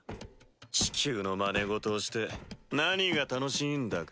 地球のまね事をして何が楽しいんだか。